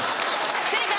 正解！